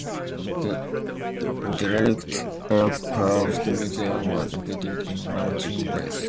The Derelict Aircraft Museum was located in Launching Place.